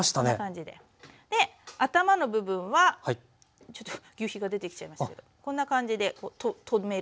頭の部分はちょっとぎゅうひが出てきちゃいましたけどこんな感じで留める。